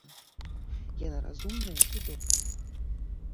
Яна разумная і добрая.